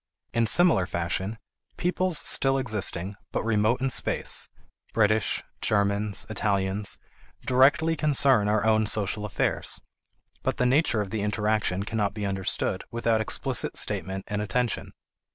In similar fashion, peoples still existing, but remote in space, British, Germans, Italians, directly concern our own social affairs, but the nature of the interaction cannot be understood without explicit statement and attention.